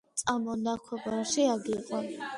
– წამო, ნაქვაბარში აგიყვან.